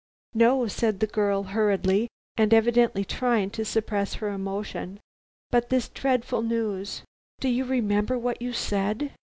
"No," said the girl hurriedly and evidently trying to suppress her emotion, "but this dreadful news! Do you remember what you said?"